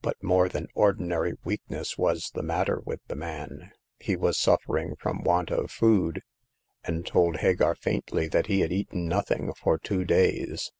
But more than ordinary weakness was the matter with the man ; he was suffering from want of food, and told Hagar faintly that he had eaten nothing for two days.